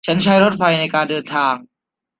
ฉันใช้รถไฟในการเดินทาง